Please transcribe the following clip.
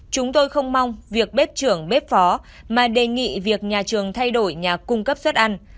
chúng tôi không mong việc bếp trưởng bếp phó mà đề nghị việc nhà trường thay đổi nhà cung cấp suất ăn